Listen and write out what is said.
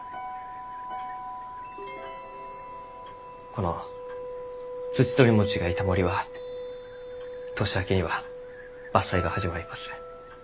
このツチトリモチがいた森は年明けには伐採が始まります。